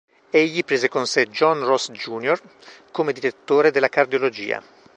Egli prese con sé John Ross Jr come Direttore della Cardiologia.